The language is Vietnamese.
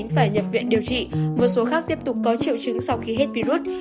phải nhập viện điều trị một số khác tiếp tục có triệu chứng sau khi hết virus